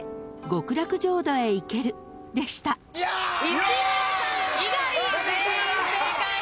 西村さん以外全員正解です。